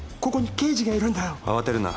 慌てるな。